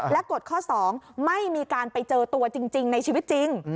และกฎข้อ๒ไม่มีการไปเจอตัวจริงในชีวิตจริง